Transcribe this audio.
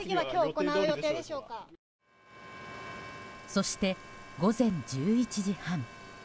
そして、午前１１時半。